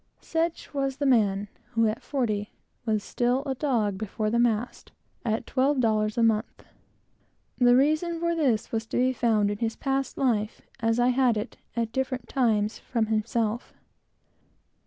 Such was the man, who, at forty, was still a dog before the mast, at twelve dollars a month. The reason of this was to be found in his whole past life, as I had it, at different times, from himself.